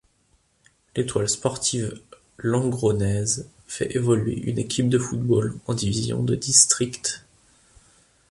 L'Étoile sportive lengronnaise fait évoluer une équipe de football en division de district.